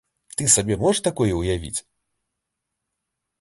Ты сабе можаш такое ўявіць?